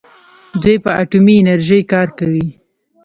دوی په اټومي انرژۍ کار کوي.